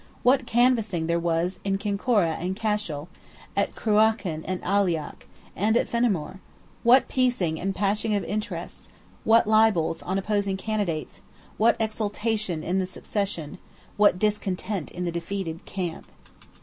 What canvassing there was in Kinkora and Cashel, at Cruachan and Aileach, and at Fernamore! What piecing and patching of interests, what libels on opposing candidates, what exultation in the successful, what discontent in the defeated camp!